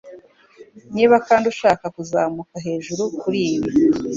Niba kandi ushaka kuzamuka hejuru kuri ibi